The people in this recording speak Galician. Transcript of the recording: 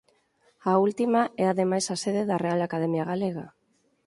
A última é ademais a sede da Real Academia Galega.